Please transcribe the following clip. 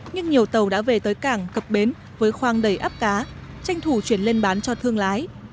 nhưng nhiều tàu đã về tới cảng cập bến với khoang đầy áp cá tranh thủ chuyển lên bán cho thương lái